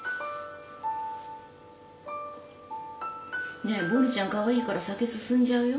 ねえボニーちゃんかわいいから酒進んじゃうよ。